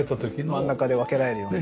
真ん中で分けられるように。